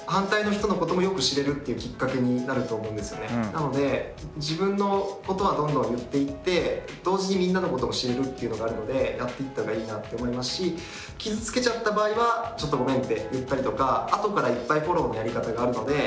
なので自分のことはどんどん言っていって同時にみんなのことも知れるっていうのがあるのでやっていったほうがいいなって思いますし傷つけちゃった場合はちょっとごめんって言ったりとか後からいっぱいフォローのやり方があるので。